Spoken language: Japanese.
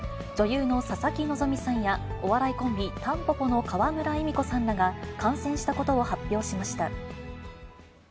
女優の佐々木希さんや、お笑いコンビ、たんぽぽの川村エミコさんらが感染したことを発表しました。